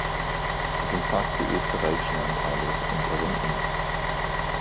Es umfasst die österreichischen Anteile des Unteren Inns.